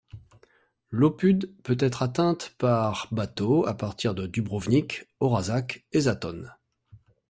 Lopud peut être atteinte par bateau à partir de Dubrovnik, Orasac et Zaton.